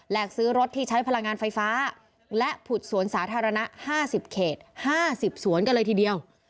และซื้อรถที่ใช้พลังงานไฟฟ้าและผุดสวนสาธารณะ๕๐เขต๕๐สวนกันเลยทีเดียว